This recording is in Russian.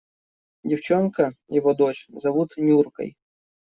Девчонка – его дочь, зовут Нюркой.